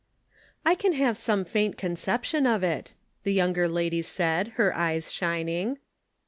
" I can have some faint conception of it," the younger lady said, her eyes shining.